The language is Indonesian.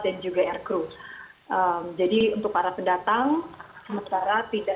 sehingga itu kesalahan kepada semua agama dan negara pitol